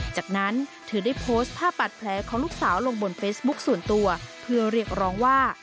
จากนั้นเธอได้โพสต์ภาพบาดแผลของลูกสาวลงบนเฟซบุ๊คส่วนตัวเพื่อเรียกร้องว่า